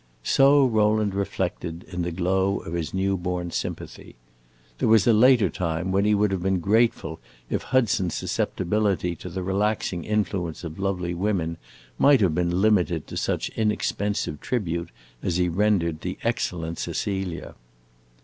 So Rowland reflected, in the glow of his new born sympathy. There was a later time when he would have been grateful if Hudson's susceptibility to the relaxing influence of lovely women might have been limited to such inexpensive tribute as he rendered the excellent Cecilia.